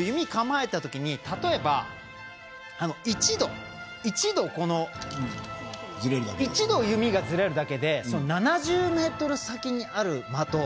弓、構えたときに例えば１度、弓がずれるだけで７０ｍ先にある的。